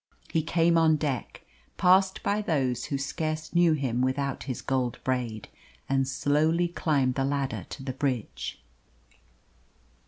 He came on deck, passed by those who scarce knew him without his gold braid, and slowly climbed the ladder to the bridge.